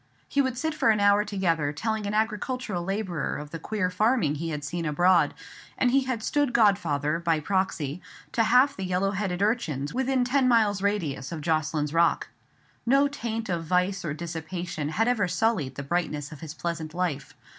He would sit for an hour together telling an agricultural labourer of the queer farming he had seen abroad; and he had stood godfather—by proxy—to half the yellow headed urchins within ten miles' radius of Jocelyn's Bock. No taint of vice or dissipation had ever sullied the brightness of his pleasant life.